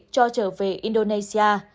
cho trở về indonesia